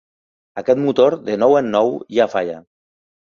Aquest motor, de nou en nou, ja falla.